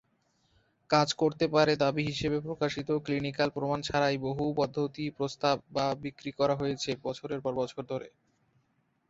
কাজ করতে পারে দাবি হিসাবে প্রকাশিত ক্লিনিকাল প্রমাণ ছাড়াই বহু পদ্ধতি প্রস্তাব বা বিক্রি করা হয়েছে বছরের পর বছর ধরে।